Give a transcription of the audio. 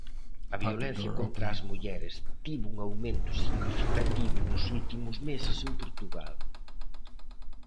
A violencia contra as mulleres tivo un aumento significativo nos últimos meses en Portugal